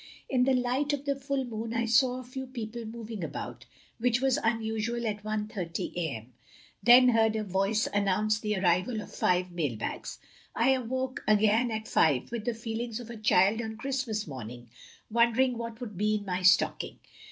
In the light of the full moon I saw a few people moving about, which was unusual at i.jo a.m. Then heard a voice announce the arrival of five mailbags. I awoke again at 5 with the feelings of a child on Christmas morningy wondering what would be in my stocking.